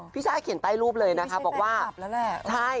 พี่ช่าเขียนใต้รูปเลยนะคะบอกว่าไม่ใช่แฟนคลับแล้วแหละ